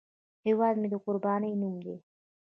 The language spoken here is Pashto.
هیواد مې د قربانۍ نوم دی